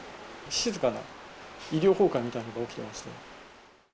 静かな医療崩壊みたいなのが起きてまして。